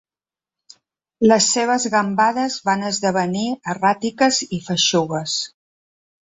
Les seves gambades van esdevenir erràtiques i feixugues.